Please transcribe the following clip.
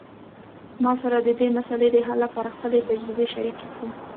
ما سره د دې مسئلې د حل لپاره خپلې تجربې شریکي کړئ